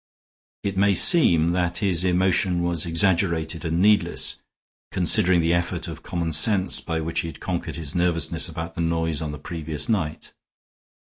It may seem that his emotion was exaggerated and needless, considering the effort of common sense by which he had conquered his nervousness about the noise on the previous night.